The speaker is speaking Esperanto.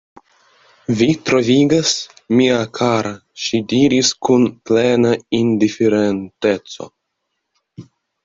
Vi troigas, mia kara, ŝi diris kun plena indiferenteco.